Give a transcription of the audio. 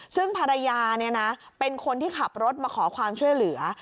ซึ่งภรรยาเป็นคนที่ขับรถมาขอความช่วยเหลือ